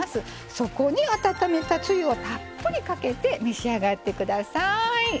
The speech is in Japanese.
そこに温めたつゆをたっぷりかけて召し上がってください。